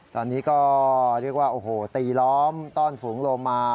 ตอนนี้ก็เรียกว่าโอ้โหตีล้อมต้อนฝูงโลมา